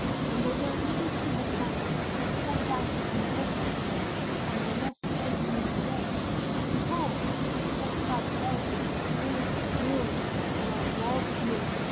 When they were admitted to her presence and sat down to converse with her and were thus pleasantly engaged, behold, a dust cloud rose and flew and grew, till it walled the view.